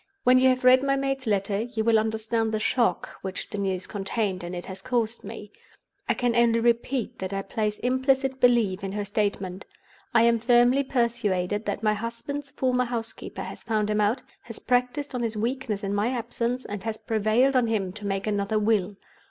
When you have read my maid's letter, you will understand the shock which the news contained in it has caused me. I can only repeat that I place implicit belief in her statement. I am firmly persuaded that my husband's former housekeeper has found him out, has practiced on his weakness in my absence, and has prevailed on him to make another Will.